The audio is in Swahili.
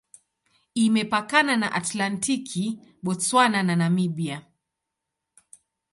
Imepakana na Atlantiki, Botswana na Namibia.